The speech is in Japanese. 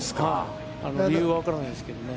理由はわからないですけどね。